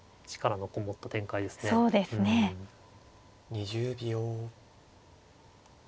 ２０秒。